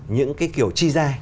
những cái kiểu chi ra